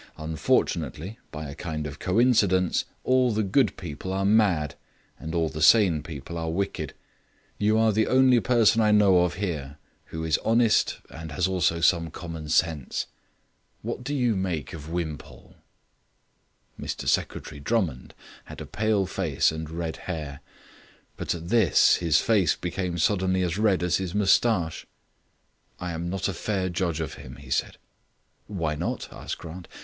Unfortunately, by a kind of coincidence, all the good people are mad, and all the sane people are wicked. You are the only person I know of here who is honest and has also some common sense. What do you make of Wimpole?" Mr Secretary Drummond had a pale face and red hair; but at this his face became suddenly as red as his moustache. "I am not a fair judge of him," he said. "Why not?" asked Grant.